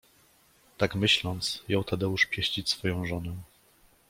Tak myśląc, jął Tadeusz pieścić swoją żonę.